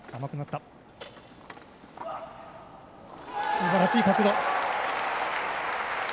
すばらしい角度。